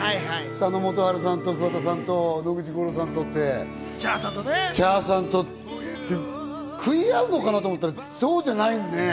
佐野元春さんとか野口五郎さんとＣｈａｒさんと、食い合うのかなと思ったら、そうじゃないよね。